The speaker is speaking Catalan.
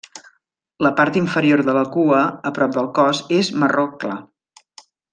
La part inferior de la cua a prop del cos és marró clar.